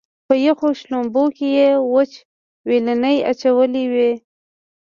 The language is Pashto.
په یخو شړومبو کې یې وچ وېلنی اچولی وي.